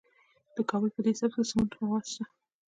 د کابل په ده سبز کې د سمنټو مواد شته.